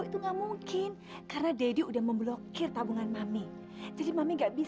tugas kamu ngelap mobil yang udah dicuci jelas